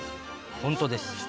本当です。